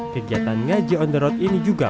kegiatan ngaji on the road ini juga